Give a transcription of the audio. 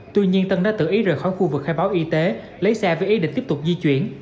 tuy nhiên tân đã tự ý rời khỏi khu vực khai báo y tế lấy xe với ý định tiếp tục di chuyển